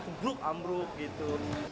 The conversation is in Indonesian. terjun gluk amruk gitu